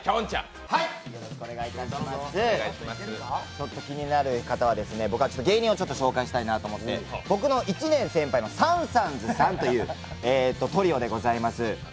ちょっと気になる方は芸人を紹介しようと思って、僕の１年先輩のさんさんずさんというトリオでございます。